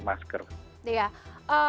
selalu memakai masker